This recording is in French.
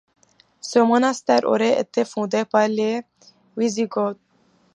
Ce monastère aurait été fondé par les Wisigoths.